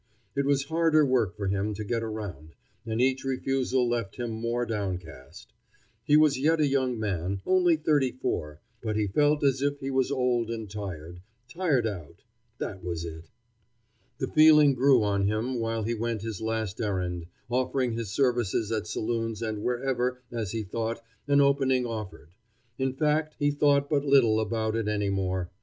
It was harder work for him to get around, and each refusal left him more downcast. He was yet a young man, only thirty four, but he felt as if he was old and tired tired out; that was it. The feeling grew on him while he went his last errand, offering his services at saloons and wherever, as he thought, an opening offered. In fact, he thought but little about it any more.